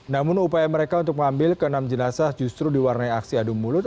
namun upaya mereka untuk mengambil keenam jenazah justru diwarnai aksi adu mulut